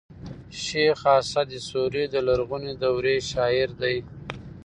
شېخ اسعد سوري د لرغوني دورې شاعر دﺉ.